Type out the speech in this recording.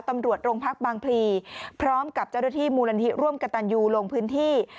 ตำรวจโรงพักบางพลีพร้อมกับเจ้าหน้าที่มูลนิธิร่วมกับตันยูลงพื้นที่